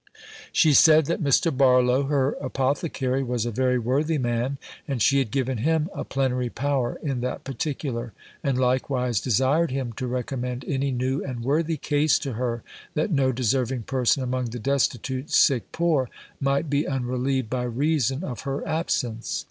She said, that Mr. Barlow, her apothecary, was a very worthy man, and she had given him a plenary power in that particular, and likewise desired him to recommend any new and worthy case to her that no deserving person among the destitute sick poor, might be unrelieved by reason of her absence.